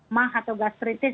mah atau gastritis